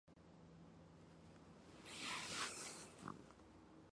杰佛瑞取得几颗高爆性反坦克弹头之后去往萨里郡一间小型武器学校作测试。